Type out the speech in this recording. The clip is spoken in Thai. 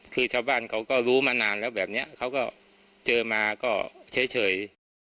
คือชาวบ้านเขาก็รู้มานานแล้วแบบนี้เขาก็เจอมาก็เฉย